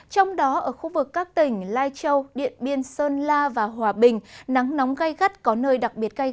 trong đó ở khu vực các tỉnh lai châu điện biên sơn la và hòa bình nắng nóng gay gắt có nơi đặc biệt